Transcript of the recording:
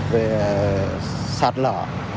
về sạt lở